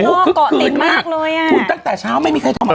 โอ้โหคึกคืนมากเลยอ่ะคุณตั้งแต่เช้าไม่มีใครทำอะไร